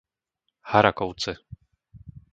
Harakovce